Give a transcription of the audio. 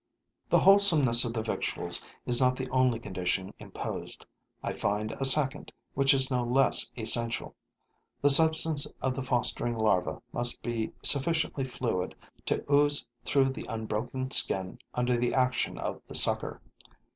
The wholesomeness of the victuals is not the only condition imposed: I find a second, which is no less essential. The substance of the fostering larva must be sufficiently fluid to ooze through the unbroken skin under the action of the sucker.